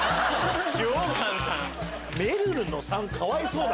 めるるの３かわいそう。